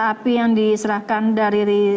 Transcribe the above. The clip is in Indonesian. api yang diserahkan dari